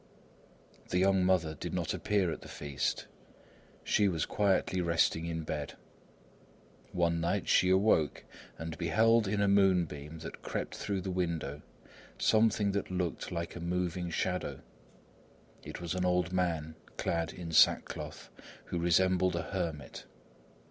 The young mother did not appear at the feast. She was quietly resting in bed. One night she awoke, and beheld in a moonbeam that crept through the window something that looked like a moving shadow. It was an old man clad in sackcloth, who resembled a hermit.